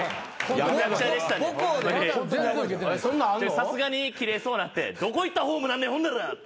さすがにキレそうなってどこ行ったらホームになんねんほんならって。